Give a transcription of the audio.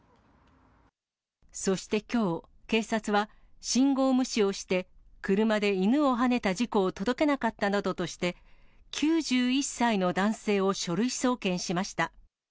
そしてきょう、警察は、信号無視をして車で犬をはねた事故を届けなかったなどとして、９１歳の男性を書類送検しました。